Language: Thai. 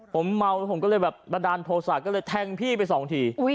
ผมเมาแล้วผมก็เลยแบบบันดาลโทษะก็เลยแทงพี่ไปสองที